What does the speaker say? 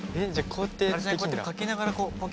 じゃあこうやって書きながらこう。